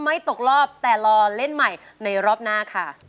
ตกรอบแต่รอเล่นใหม่ในรอบหน้าค่ะ